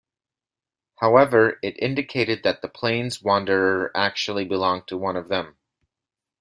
However, it indicated that the plains wanderer actually belonged into one of them.